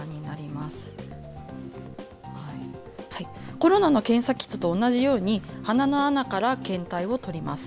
コロナの検査キットと同じように、鼻の穴から検体をとります。